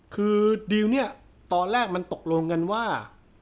คือดิวเนี่ยตอนแรกมันตกลงกันว่า